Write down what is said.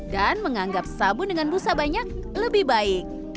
dan menganggap sabun dengan busa banyak lebih baik